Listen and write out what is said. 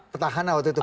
petahana waktu itu